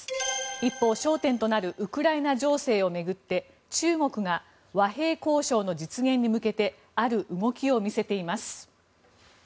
一方、焦点となるウクライナ情勢を巡って中国が和平交渉の実現に向けてある動きを見せています。